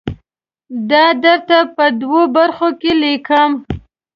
دا درته په دوو برخو کې لیکم.